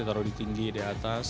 taruh di tinggi di atas